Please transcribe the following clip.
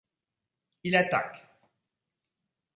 Il attaque.